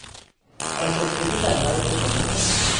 آشفتگی در وضع بازار